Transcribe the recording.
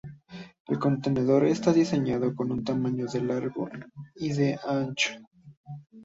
El contenedor está diseñado con un tamaño de de largo y de ancho.